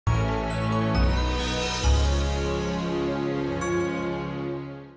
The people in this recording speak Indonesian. kita juga bisa tetap senang